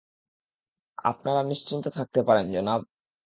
আপনারা নিশ্চিন্ত থাকতে পারেন, জনাব!